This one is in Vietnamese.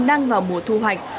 đang vào mùa thu hoạch